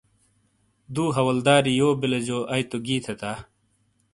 دو حولداری یو بیلے جو آئی تو گی تھے تا ۔